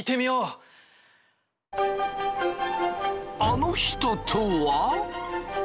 あの人とは？